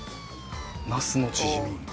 ナスのチヂミ